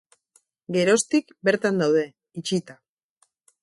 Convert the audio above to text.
Geroztik, bertan daude, itxita.